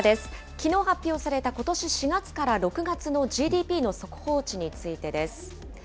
きのう発表されたことし４月から６月のＧＤＰの速報値についてです。